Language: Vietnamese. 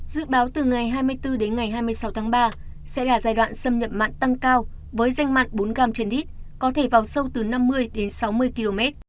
dự báo từ ngày hai mươi bốn đến ngày hai mươi sáu tháng ba sẽ là giai đoạn xâm nhập mặn tăng cao với danh mặn bốn gram trên đít có thể vào sâu từ năm mươi đến sáu mươi km